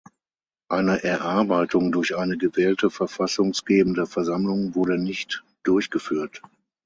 Eine Erarbeitung durch eine gewählte Verfassungsgebende Versammlung wurde nicht durchgeführt.